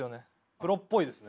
プロっぽいですね